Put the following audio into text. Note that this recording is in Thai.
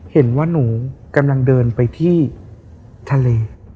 เห็นว่าหนูกำลังเดินไปที่ทะเล